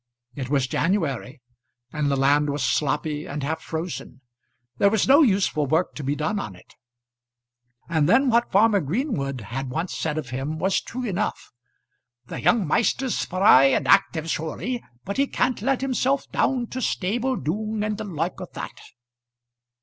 It was January, and the land was sloppy and half frozen. There was no useful work to be done on it. And then what farmer Greenwood had once said of him was true enough, "The young maister's spry and active surely, but he can't let unself down to stable doong and the loik o' that."